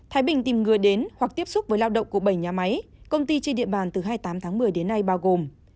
hoặc tiếp xúc với lao động của bảy nhà máy công ty trên địa bàn từ hai mươi tám tháng một mươi đến nay bao gồm